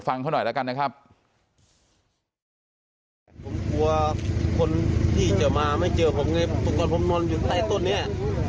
ผมกลัวคนที่จะมาไม่เจอกับผมว่ามันต้องกลัวจงนอนต้านต้นเนี้ย